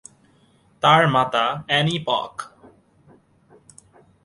তার মাতা অ্যানি পকক।